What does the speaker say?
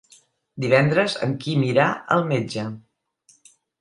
Divendres en Quim irà al metge.